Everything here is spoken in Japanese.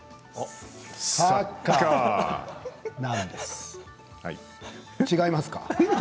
サッカー！なんです違いますか。